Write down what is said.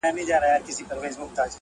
واک د زړه مي عاطفو ته ور کی یاره,